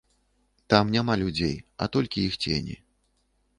Там няма людзей, а толькі іх цені.